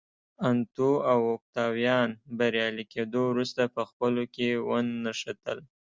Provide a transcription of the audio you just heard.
انتو او اوکتاویان بریالي کېدو وروسته په خپلو کې ونښتل